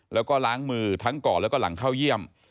แล้วก็ล้างมือทั้งก่อนแล้วก็หลังเข้าเยี่ยม